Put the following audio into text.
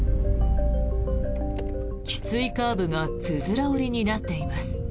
きついカーブがつづら折りになっています。